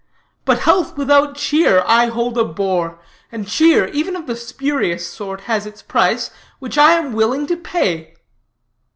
But health without cheer I hold a bore; and cheer, even of the spurious sort, has its price, which I am willing to pay.'"